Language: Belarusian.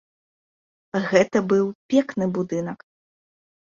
Гэта быў пекны будынак.